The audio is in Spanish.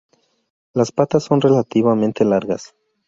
Las patas son relativamente largas.